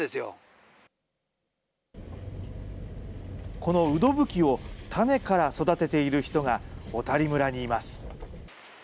このウドブキを種から育てている人が小谷村にいます。